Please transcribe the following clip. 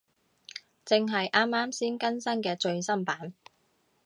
正係啱啱先更新嘅最新版